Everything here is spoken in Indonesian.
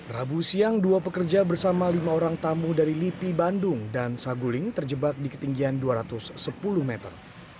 rabu siang dua pekerja bersama lima orang tamu dari lipi bandung dan saguling terjebak di ketinggian dua ratus sepuluh meter